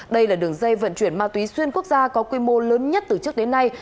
đây là đường dây vận chuyển ma túy xuyên quốc gia có quy mô lớn nhất từ trước đến nay